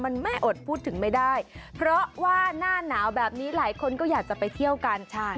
มันไม่อดพูดถึงไม่ได้เพราะว่าหน้าหนาวแบบนี้หลายคนก็อยากจะไปเที่ยวกันใช่